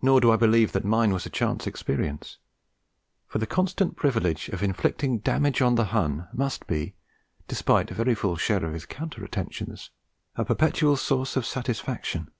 Nor do I believe that mine was a chance experience; for the constant privilege of inflicting damage on the Hun must be, despite a very full share of his counter attentions, a perpetual source of satisfaction.